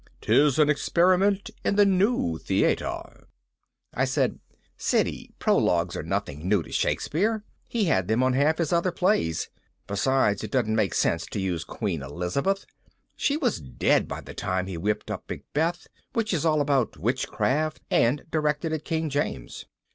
"'Tis an experiment in the new theater." I said, "Siddy, prologues were nothing new to Shakespeare. He had them on half his other plays. Besides, it doesn't make sense to use Queen Elizabeth. She was dead by the time he whipped up Macbeth, which is all about witchcraft and directed at King James."